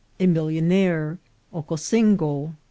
— A Millionaire.— Ocosingo.